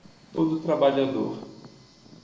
Todo trabalhador